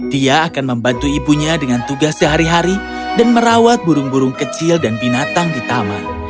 dia akan membantu ibunya dengan tugas sehari hari dan merawat burung burung kecil dan binatang di taman